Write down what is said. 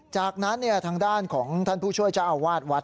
จากนั้นทางด้านของท่านผู้ช่วยเจ้าอาวาสวัด